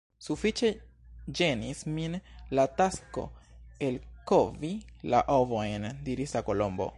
"Sufiĉe ĝenis min la tasko elkovi la ovojn," diris la Kolombo. "